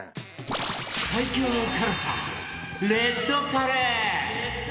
最強の辛さレッドカレー